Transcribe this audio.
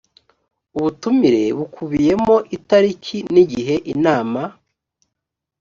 ubutumire bukubiyemo itariki n igihe inama